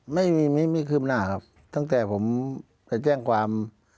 ไม่มีไม่มีคืบหน้าครับตั้งแต่ผมไปแจ้งความ